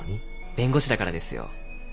弁護士だからですよ。